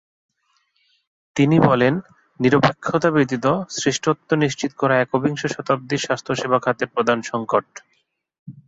তিনি বলেন, "নিরপেক্ষতা ব্যতীত শ্রেষ্ঠত্ব নিশ্চিত করা একবিংশ শতাব্দীর স্বাস্থ্যসেবা খাতের প্রধান সংকট।"